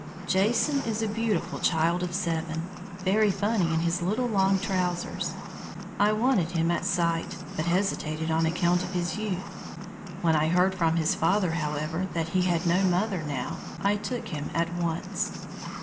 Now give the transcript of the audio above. Jason is a beautiful child of seven, very funny in his little long trousers. I wanted him at sight, but hesitated on account of his youth. When I heard from his father, however, that he had no mother now, I took him at once.